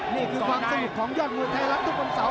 นี่คือความสุขของยอดมือไทยลักษณ์ทุกภัมษา